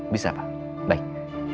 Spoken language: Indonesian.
bisa pak baik